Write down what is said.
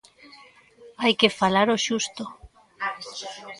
Hai que falar o xusto.